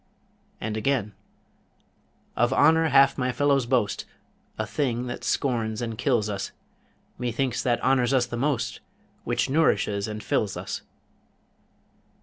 And again: Of honour half my fellows boast, A thing that scorns and kills us: Methinks that honours us the most Which nourishes and fills us.